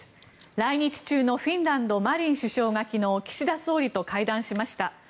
来日中のフィンランド、マリン首相が昨日、岸田総理と会談しました。